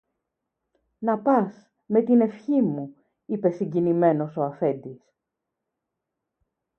Να πας, με την ευχή μου, είπε συγκινημένος ο αφέντης